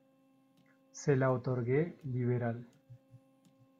se la otorgué liberal.